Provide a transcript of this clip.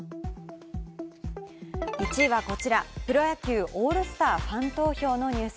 １位はこちら、プロ野球オールスター、ファン投票のニュース。